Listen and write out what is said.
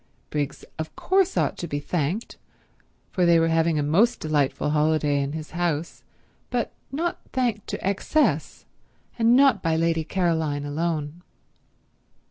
Briggs of course ought to be thanked, for they were having a most delightful holiday in his house, but not thanked to excess and not by Lady Caroline alone.